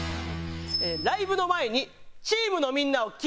ライブの前にチームのみんなをきっ。